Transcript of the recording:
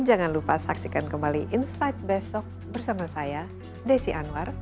jangan lupa saksikan kembali insight besok bersama saya desi anwar